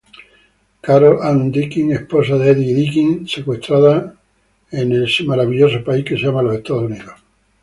Carol-Ann Deakin: esposa de Eddie Deakin, secuestrada en los Estados Unidos.